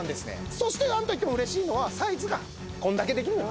そして何といってもうれしいのはサイズがこんだけできるのにコンパクト。